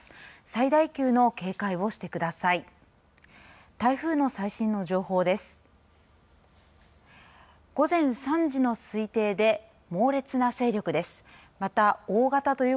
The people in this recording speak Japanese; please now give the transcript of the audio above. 最大級の警戒をしてください。